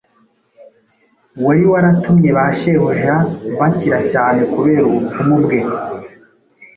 wari waratumye ba shebuja bakira cyane kubera ubupfumu bwe.